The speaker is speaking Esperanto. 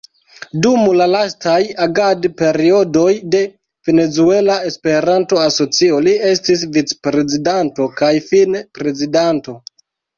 Dum la lastaj agad-periodoj de Venezuela Esperanto-Asocio li estis vicprezidanto kaj fine Prezidanto.